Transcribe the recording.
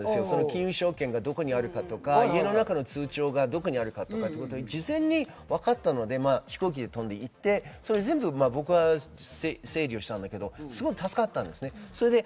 金融証券がどこにあるかとか、家の通帳がどこにあるかとか、事前にわかったので、飛行機で飛んで行って、全部僕が整理したけど、すごく助かったんです。